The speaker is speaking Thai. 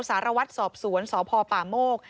สารวัตรสอบสวนสพป่าโมก